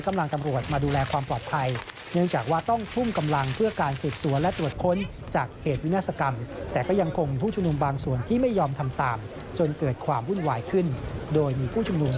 การร้ายขึ้นโดยมีผู้จำนวง